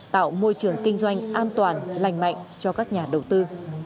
tạo môi trường kinh doanh an toàn lành mạnh cho các nhà đầu tư